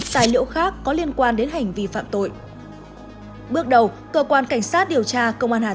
tài liệu khác có liên quan đến hành vi phạm tội bước đầu cơ quan cảnh sát điều tra công an hà